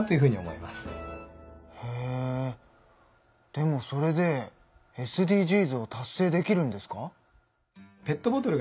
でもそれでＳＤＧｓを達成できるんですか？